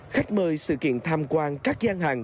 khách mời sự kiện tham quan các gian hàng